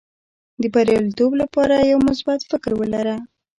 د بریالیتوب لپاره یو مثبت فکر ولره.